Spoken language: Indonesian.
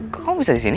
kok kamu bisa disini